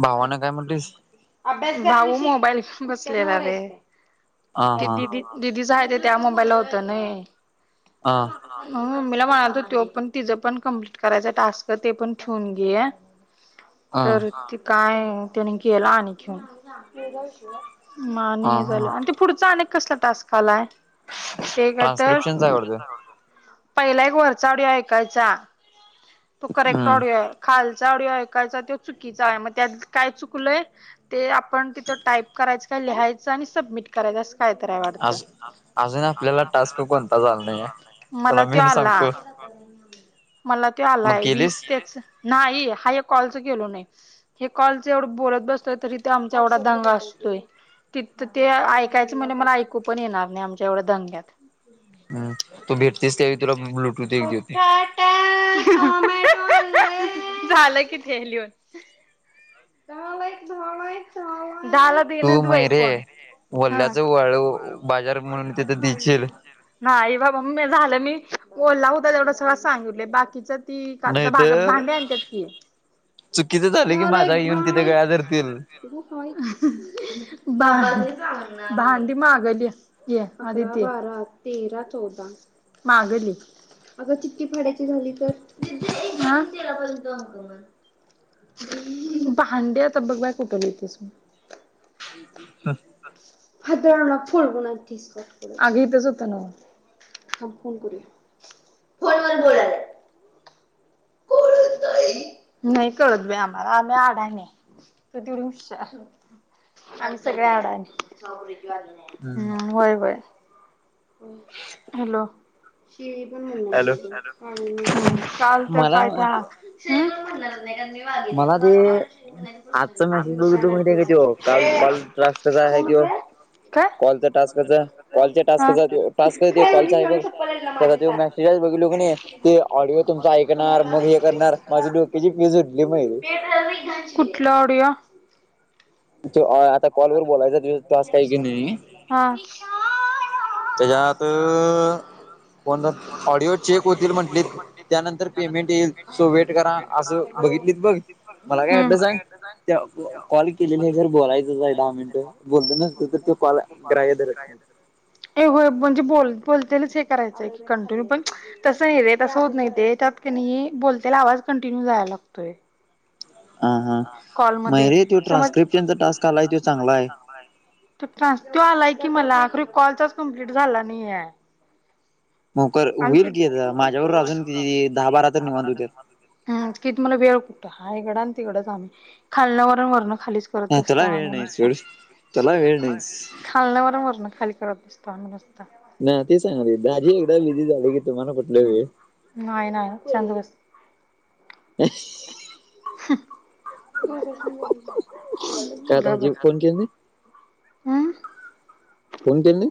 भावानं काय म्हटलीस भाऊ मोबाईल बसलेला रे हा ते हा दिदी दिदीचा हाय. त्या मोबाईल होता नही. हा मला म्हणातो त्यो पण तिचं पण कंप्लीट करायचं टास्क ते पण ठेवून घे. हा तर ते काय त्याने केला आणि घेऊन मा नाही हा हे हा झालं. आणि ते पुढचा अनेक कसला टास्क आलाय. ते काय तर ट्रान्स्क्रिप्शनच हाय वाटतंय. पहिला एक वरचा आडिओ ऐकायचा, तो करेक्ट हम्म आडिओ आहे खालचा आडिओ. काय चुकीचा आहे मग त्यात काय चुकलय ते आपण तिथ टाईप करायच काय लिहायच. सबमिट करायचच काय तरी आहे वाटतं. आज अजून अजुु आपल्याला टास्क कोणता तो झाला करता नाही आला आहे नाही तुला मला तो मेन आला. सांगतो मला तो मग आलाय वीस केलीस तेच नाही हाय. कॉलच केलो नाही हे कॉलच एवढं बोलत बसतय तरी ते आमचा एवढा दंगा असतोय. ति ते ऐकायचं म्हणज मला ऐकू पण येणार नाही आमच्या एवढ्या दंग्यात. [inaudible] हम्म तू भेटतीस त्यावेळी तुला ब्लूटूथ एक देतो झालं की. न [unintelligible] [inaudible] डाला देेण तू मैरे फोन. [unintelligible] वल्ल्याच वाळ बाजार म्हणून तिथं देशील नाही बा झालं मी ओल्ला होता तेवढं सगळं सांगितले बाकीच ती काल भाग भांडे आणतत की चुकी ला एकदम बा [unintelligible] भांडी मागााली आधी ते अकरा, बारा, तेरा, चौदा मागली. अग चिठ्ठी फाडायची झाली तर [unintelligible] केलापर्यंत होत म. भांडे आता बघा बाय कुठं बतेस. हातार फोडून आनतेस का आग इथच होत ना. थाब फोन करु यात फोन वर बोलायलाच. ब [unintelligible] नाही कळत बाई आम्हाला आम्ही आडाणे तु तेवढी हुशार. आम्ही सगळ आवडे अडानी हम्म होय होय. हॅलो. पण हॅलो म्हण चालत मला पाय त्याला. मला ते आजचा मेसेज बघितलो वाग माहिती आहे का तो [unintelligible] कोण ते. कॉलच टास्कचा कॉलच्या हा. टास्कचा. काय कॉल म्हणजे घेऊन चप्पल आहेत ना माझी आहे सांग. मेसेज बघ ऑडिओ तुम ऐणार. कुणाला? मग हे करणार माझी डोक्याची पीज उटली. कुठलं ऑडिओ. त आता कॉलवरर बोलायचा तो टास्क आहे कीं क नाही. हा. त्याच्यात. फन ऑडिओ चेक होतील म्हंटले त्यानंतर पेमेंट येईल सो वेट करा असं. बघितलीत बघ मला काय हम्म. अड्रस सांग कॉल केलेली जर बोलाय. दहा मिनिटं बोलत नसत तर तॉ ग्राह्य धरत नाही. ए होय म्हणजे बोल बोलतेलच हे करायच आहे की कंटिन्यू पण तसं पण तसं होत नाही रे त्यात त्यांनी. ला आवाज कंटिन्यू जायला लागतोय. हा हा कॉल मध्ये मयरे तो समज ट्रान्स्क्रिप्शनचा टास्क आलाय तो चांगला आहे चग. तानस तो आलाय की मला आखरी कॉलचाच कम्प्लीिट झाला नाही आहे. मोकर आणि होईल की माझ्यावर अजून किती दहा बारा तर निवांत होत्यात कि. वेळ कुठे हाय हिकड आणि तिकडेच आम्ही खालन वर वरणखली. खालीच करत असत तुला वेळ न नाही सोड तुला वेळ नाहीच खाल न वर वरण ना खाली करत नुसता. ना तेी सांगली दाजी एकदा बिझी झाली की. तुम्हाला कुठलं वेळ नाही ना शांत बस. का बबर. दाजी फोन केले नाही हम फोन केले नाही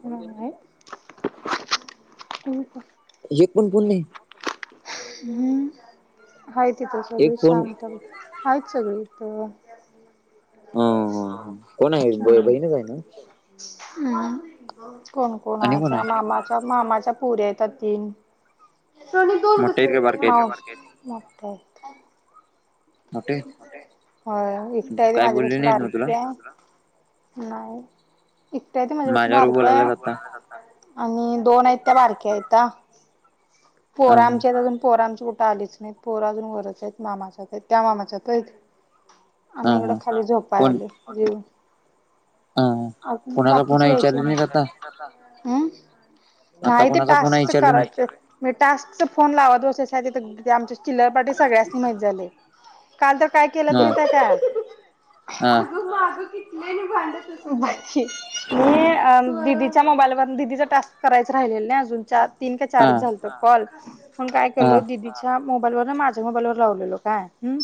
का? एक पण फोन नाही हम्म आहेत इथं एक सगळी फोन शांत आहेत सगळी. तो. अ ह कोण आहे बहीणच आहे ना. हम् कोण कोण आणि आहेच्या आहे मामाच्या मामाच्या. पुर्या येत तीन दोन मोठे आहेत कसले का बारके आहेत व [unintelligible] मोठे आहेत. हो एकटी आहे ते काय बोलले माझ्यापेक्षा नाहीत ना तुला बारीकी आहे. नाही एकटे आहे ते माझ्यापेक्षा माझ्यावर बारकी आहे. बोलायलाच आता आणि दोन आहेत त्या बारक्या आहेत पोर हा आमच्या हा अजून पोरमच्या चोट आलीच नाही पोर अजून गरच आहेत मामाच्या त्या मामाच्यात आहेत. हा आम्ही इकडं हा खाली झोपा कोण आलो जीवून. अ कोणाचा फोन आहे बाकीचेच विचारले नाही आता हम्. आता नाही ते कोणाचा फोन आहे टास्कच विचारले नाही करायचं म्हणजे टास्क फोन लावा दो आमच्या. चिल्लर पाटी सगळ्यास माहित झाले. काल तर काय केलं ह माहित आहे काय? ह भांडत मीदीच्या मोबाईलवर दिदीचा टास्क करायच राहि तीन ते ह चार झाले कॉल मग काय केलं ह दीदीच्या. मोबाईल वर माझ्या मोबाईल वर लावलेलो काय ह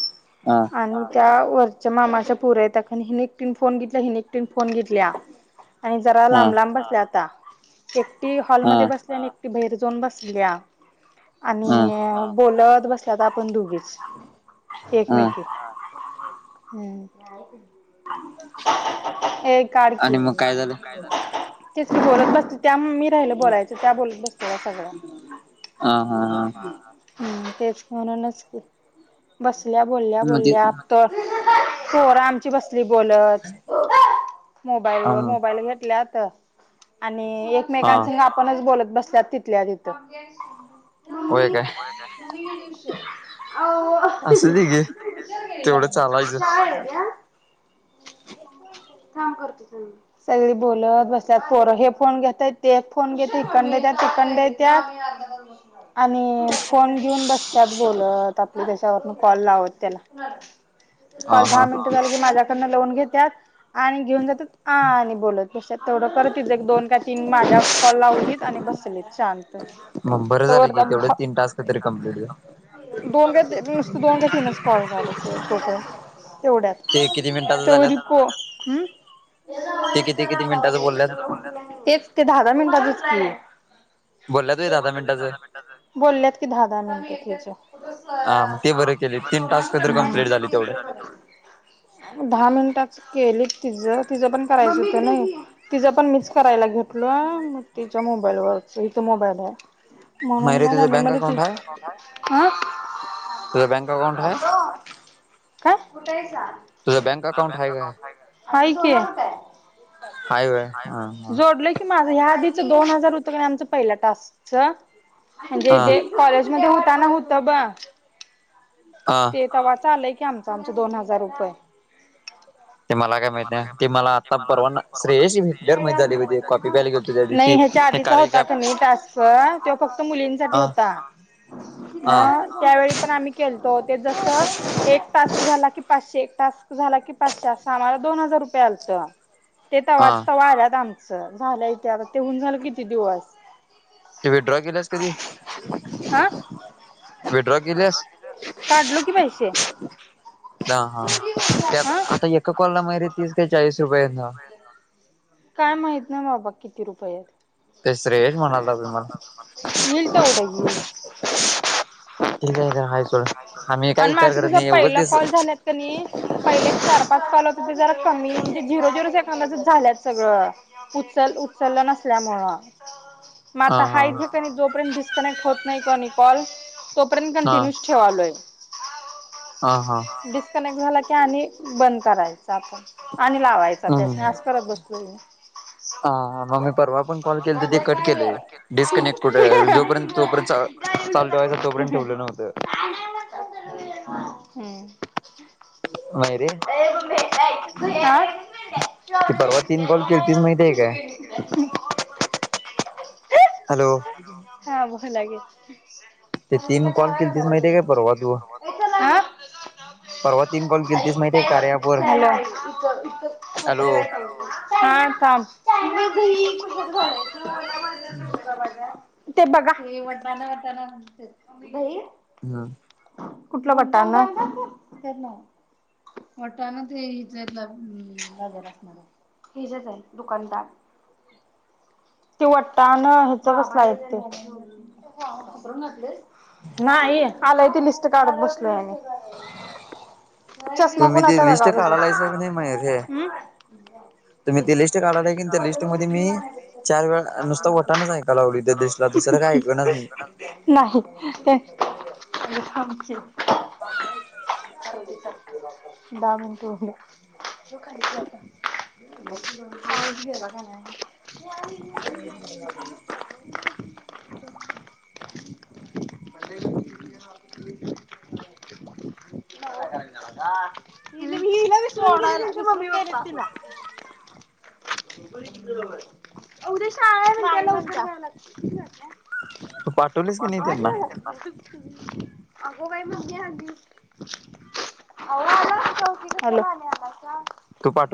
ह आणि त्या. वरच्या मामाच्या पुर हि एकटीन फोन घेतला हिने एकटी फोन घेतल्या आणि जरा लांब लांब बसल्या आता एकटी ह हॉलमध्येध्ये बसल्या आणि बर जाऊन बसल्या ह ह आणि बोलत. बसल्या आपण दोघीच ह एकमेकी हम् काढ आणि की मग काय झालं. तेच की बोलत बसल्यात. त्या मी राहिल बोलायचं त्या बोलत बसत का सगळं ह ह ह हम्. तेच म्हणूनच बसल्या बोलल्या मग ते बोलल्या आपतो. चोर आमची बसली बोलत मोबाईल व ह मोबाईल घेतल्यात. आणि हा एकमेकांसोबत आपणच बोलत बसल्यात तिथल्या तिथं. होय मम्मी,? काय मम्मी गेली उशीर. असू दे घे तेवढं चालायचं [unintelligible] थांब करतो फोन. सगळी बोलत बसल्यात पोर हे एक फोन घेतय ते एक फोन घेतय इकडन येतय. तिकंडत [unintelligible] आणि फोन घेऊन बस्त्यात बोलत आपल देशावरन. कॉल लावत त्याला हा कॉल दहा हा मिनट झाली की माझ्याकडून लावून घेत्यात. आणि घेऊन जातात. आणि बोलत बस्त्यात तेवढं परत तिज दोन काय तीन माझ्यावरच कॉल लावलीत आणि बसलीत शांत. मग बरं झालं दोन की तेवढं तीन टास्क तरी कंप्लीट झाले का [unintelligible] को का तिनच कॉल झाल त तो पर्य तेवढ्यात ते किती मिनिटाचं त्या झाल्यात व ते किती किती मिनिटाचं बोलल्यात [unintelligible] तेच ते दहा. मिनटातच कि बोलल्यात होय दहा दहा मिनिटाचं [unintelligible] बोलल्यात कि दहा दहा मिनिटं त्याच्यात. मग ते हा बरं केले म तीन टास्क तर कंप्लीट बर झाले तेवढं क [unintelligible] दहा मिनिटात केलीत तिचं. तिच पण करायच होत नाही तिच पण मीच करायला घेतलो मग तिच्या मोबाईलवर. बय मणून मायरे ना तुझं अमिन बँक म ती अकाउंट आहे ह [unintelligible] कमांड आहे. का कुठ अं तुझं बँक अकाउंट आहे काय हाय हाय वय हा [unintelligible] हा जोडले की. माझे ह्या आधीचे दोन हजार होतं का नाही ते पहिले टास्कच ते हा ते कॉलेजच. म होताना होत ब [unintelligible] हा ते तवाच आलंय की आमचं आमचं दोन हजार रुपये. ते माहित मला काय नाही ते माहिती आहे मला आता परवाना परवा श्रेयशी भेटल्यावर माहित झाली बघ. ते कॉपी प्यायला गेलतो त्या दिवशी [unintelligible] ह्याच्या ते आधीचा कार्य होता कॅप कनी टास्क ते फक्त मुलींसाठी अ होता. हा ह त्यावेळी पण आम्ही केलतो ते जस एक टास्क झाला की पाचशे. टास्क झाला की पाचशे अस आम्हला दोन हजार रुपये आलत ते हा तवाच्या तवा आलेलं आमच. झालंय की, ते होऊन झालं की किती दिवस. ते विड्रॉ केल्यास कधी आं. विड्रॉ केल्यास काढलो की पैसे. ह हा. त्या हा आता एका कॉल ला मला तीस का चाळीस रुपयेचा. काय माहित ना बाबा किती रुपये आहेत. ते श्रेय म्हणालात बाई मला. येईल तेवढं येईल ठीक आहे. आहेस. आणि माझं कस पहिला कॉल झालेत कणी. पहिले चार-पाच. कॉल कमी. म्हणे झरो-झरो झाल्या सगळं उचल नल्यामुळे. हो. मग हा आता हा हाय जोपर्यंत डिस्कनेक्ट होत नाही कॉल. तोपर्यंत हा कंटिन्यू. ठेवलोय. हा हा डिस्कनेक्ट झाला की आणि. बंद करायचा आपण आणि लावायचा. त्या हम्म अस करत बसतो. हो. हा मग मी परवा पण कॉल केल तर ते कट केले डिस्कनेक्ट कुठे जोपर्यंत तोपर्यंत [unintelligible] चालू ठेवायचं तोपर्यंत ठेवलं नव्हतं हम्म. नाही रे आ. आ. Cut [unintelligible] hello. बोला की ते तीन कॉल हा केलतीस माहिती काय? परवा तू परवा. तीन बॉल केलतीस माहिती काय? [inaudible] हॅलो ति [inaudible] हम् ते बघा हे वटाणं वटाणं [unintelligible] हं कुठलं वटाणं वटाणं ते हिथलं हिथलं बाजारातनं आणलं. हिजाच हाय दुकानदार ति वटाणं चवच नाहीत ते [unintelligible] नाही आलय ते लिस्ट काढत बसलो आणि [unintelligible] चष्मा तुम्ही कुणाचा ती [unintelligible] लिस्ट काढालायसा की नाही मयुर हे हम्म तुम्ही ती लिस्ट काढालाय की त्या लिस्टमध्ये मी चार वेळा नुसता वटानच ऐका लागलोय त्या [unintelligible] लिस्टला दुसरं काय ऐकनाच मी [unintelligible] नाही [unintelligible] [unintelligible] [unintelligible] दहा मिनट उरले मोठी मम्मी शाळेत गेला का नाय [unintelligible] [unintelligible] [unintelligible] [inaudible] [unintelligible] [unintelligible] उद्या शाळा आहे तू पाठवलीस की नाही म्हणताना त्यांना लवकर जाणार [unintelligible] [unintelligible] हॅलो तू [inaudible] पाठ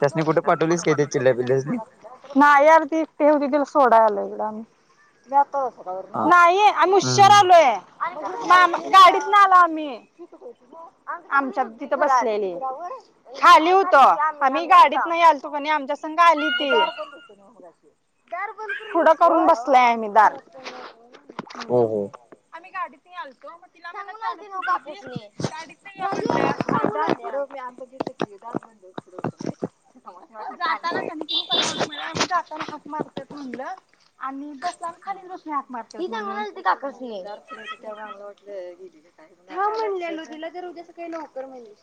त्यासनी कुठे पाठवलीस काय ते चिल्ल्या पिल्ल्यासनी नाय यार ति तेवढे दिवस सोडा आलेलो हा [unintelligible] नाही आम्ही उशिरा हम्म आलोय गाडीतनं आलो आम्ही आमच्या तिथं पन आलेले खाली होतो आम्ही गाडीत नाही आलतो कनी आमच्या संघ आली ते दार बंद करून पुडं करून बसलायआणि दार हो हो आम्ही गाडीत नि आलतो [inaudible] [inaudible] हाक मारतात म्हणलं आणि बसल्यावर खाली बसून हाक मारत्यात [unintelligible] थांब म्हणलेलो तिला तर उद्या सकाळी लवकर म्हणली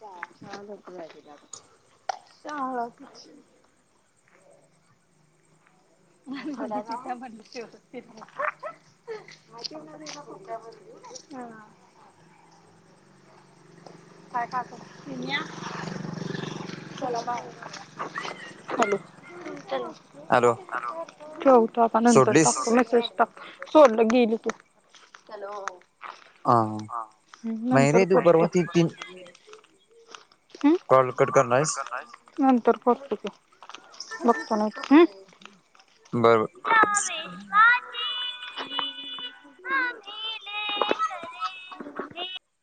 [unintelligible] हो [inaudible] [unintelligible] [unintelligible] [inaudible] हॅलो [inaudible] हॅलो ठेवतो आता नंतर सोडलीस टाकतो मेसेज टाक सोडलं की हॅलो हा नाही नंतर रे तू बोलतो परवा ती तीन ह कॉल कट करणार आहेस नंतर करतो की हम्म बरोबर [inaudible]